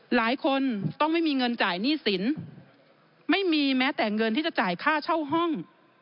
หลายคนต้องไม่มีเงินจ่ายหนี้สินไม่มีแม้แต่เงินที่จะจ่ายค่าเช่าห้อง